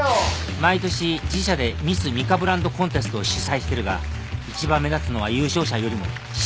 毎年自社でミスミカブランドコンテストを主催してるが一番目立つのは優勝者よりも審査委員長自身だ。